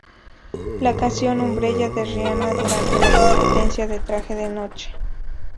La canción Umbrella de Rihanna durante la competencia de traje de noche.